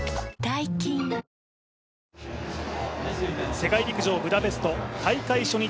世界陸上ブダペスト、大会初日。